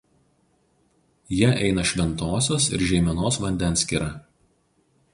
Ja eina Šventosios ir Žeimenos vandenskyra.